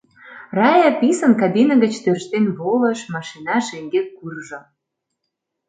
Рая писын кабина гыч тӧрштен волыш, машина шеҥгек куржо.